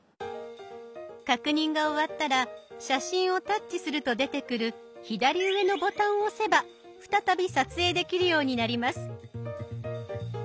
確認が終わったら写真をタッチすると出てくる左上のボタンを押せば再び撮影できるようになります。